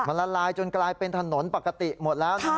มันละลายจนกลายเป็นถนนปกติหมดแล้วนะ